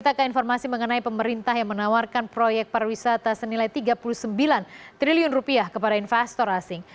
diktatkan informasi mengenai pemerintah yang menawarkan proyek pariwisata senilai rp tiga puluh sembilan triliun kepada investor asing